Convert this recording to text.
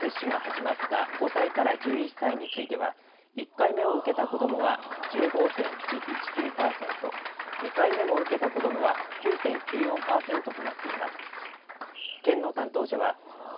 一方、先月から県内でも接種が始まった５歳から１１歳については１回目を受けた子どもは１５．１９パーセント２回目も受けた子どもは９．９４パーセントとなっています。